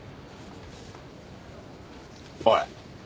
おい。